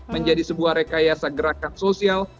menjadi sebuah rekayasa gerakan sosial